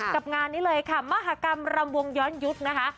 กับงานนี้เลยค่ะมหากรรมรำวงย้อนยุคนะคะ